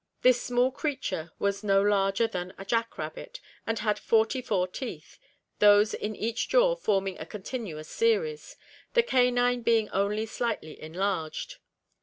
This small creature was no larger than a jack rabbit, and had forty four teeth, those in each jaw forming a continuous ssries, the canine being only slightly enlarged.